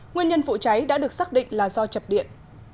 nguyên nhân vụ cháy đã được xác định là do chập điện